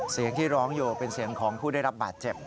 เสียงที่ร้องอยู่เป็นเสียงของผู้ได้รับบาดเจ็บ